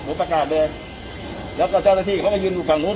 ผมประกาศเลยแล้วก็เจ้าหน้าที่เขาก็ยืนอยู่ฝั่งนู้น